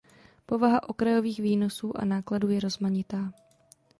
Povaha "okrajových výnosů a nákladů" je rozmanitá.